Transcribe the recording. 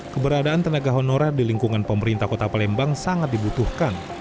keberadaan tenaga honorer di lingkungan pemerintah kota palembang sangat dibutuhkan